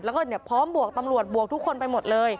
แล้วก็พร้อมบวกตำรวจบวกทุกคนไปหมดเลย